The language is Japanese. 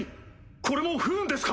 これも不運ですか